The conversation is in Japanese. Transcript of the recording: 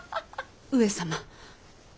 上様？